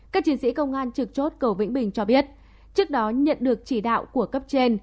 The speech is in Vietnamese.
các chiến sĩ công an trực chốt cầu vĩnh bình cho biết trước đó nhận được chỉ đạo của cấp trên